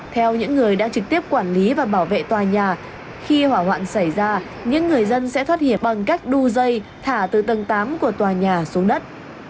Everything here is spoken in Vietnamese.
theo những người đã trực tiếp quản lý và bảo vệ tòa nhà khi hỏa hoạn xảy ra những người dân sẽ thoát hiểm bằng các đu dây thả từ tầng tám của tòa nhà xuống đất